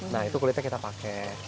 nah itu kulitnya kita pakai